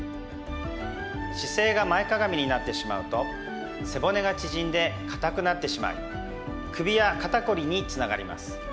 姿勢が前かがみになってしまうと背骨が縮んで硬くなってしまい首や肩こりにつながります。